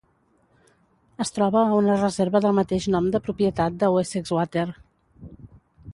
Es troba a una reserva del mateix nom de propietat de Wessex Water.